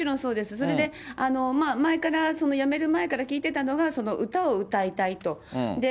それで前から、辞める前から聞いてたのが、歌を歌いたいと。